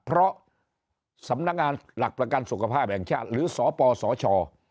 เพราะสำนักงานหลักประกันสุขภาพแห่งชาติหรือสปสช